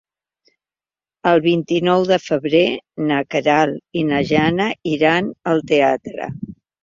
El vint-i-nou de febrer na Queralt i na Jana iran al teatre.